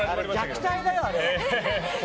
虐待だよ、あれ。